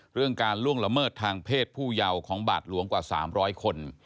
เรื่องการล่วงละเมิดทางเพศผู้เยาว์ของบาทหลวงกว่า๓๐๐คน